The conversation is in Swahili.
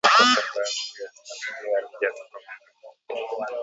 katika awamu ya tatu kwa sababu tishio hilo halijatokomezwa